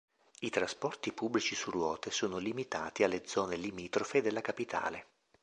I trasporti pubblici su ruote sono limitati alle zone limitrofe della capitale.